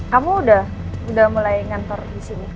kamu udah mulai ngantor disini